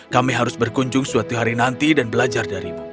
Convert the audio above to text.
kami harus berkunjung suatu hari nanti dan belajar darimu